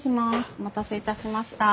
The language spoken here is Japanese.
お待たせいたしました。